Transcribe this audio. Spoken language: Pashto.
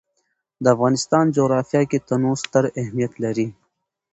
د افغانستان جغرافیه کې تنوع ستر اهمیت لري.